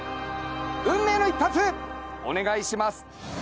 運命の１発お願いします。